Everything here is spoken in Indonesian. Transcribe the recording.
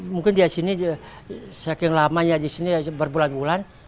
mungkin dia sini saking lamanya di sini berbulan bulan